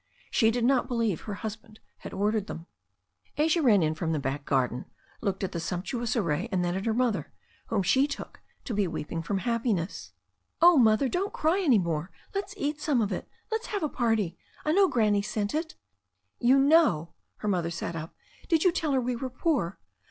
She did not believe her husband had ordered them. Asia ran in from the back garden, looked at the sumptu ous array, and then at her mother, whom she took to be weeping from happiness. "1 it THE STORY OF A NEW ZEALAND RIVER 175 "Oh, Mother, don't cry any more. Let's eat some of it. Let's have a party. I know Granny sent it." "You know !" Her motlier sat up. "Did you tell her we were poor?"